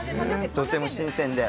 とても新鮮で。